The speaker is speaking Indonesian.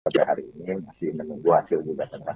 tapi hari ini masih menunggu hasil bukaan